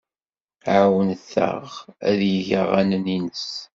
Ɛawneɣ-t ad yeg aɣanen-nnes.